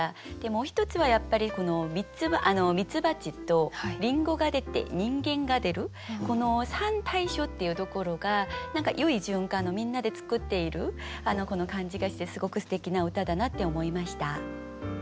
もう一つはやっぱりミツバチとリンゴが出て人間が出るこの３たいしょっていうところが何かよい循環のみんなで作っている感じがしてすごくすてきな歌だなって思いました。